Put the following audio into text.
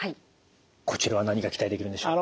こちらは何が期待できるんでしょうか？